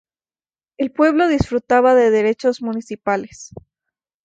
El pueblo disfrutaba de derechos municipales.